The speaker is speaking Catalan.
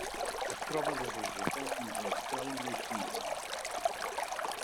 Es troba des del Japó fins a Austràlia i Fiji.